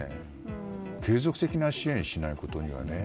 継続的な支援をしないことには。